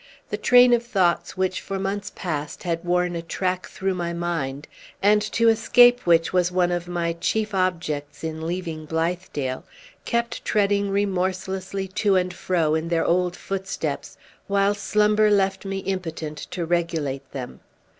The train of thoughts which, for months past, had worn a track through my mind, and to escape which was one of my chief objects in leaving Blithedale, kept treading remorselessly to and fro in their old footsteps, while slumber left me impotent to regulate them.